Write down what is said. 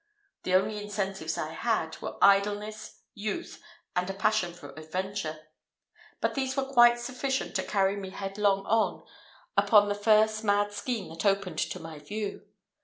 The only incentives I had, were idleness, youth, and a passion for adventure; but these were quite sufficient to carry me headlong on, upon the first mad scheme that opened to my view.